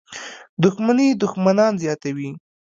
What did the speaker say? • دښمني دښمنان زیاتوي.